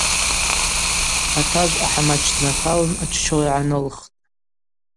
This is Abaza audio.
Атажв ахӏамач днаталын аччора гӏанылхтӏ.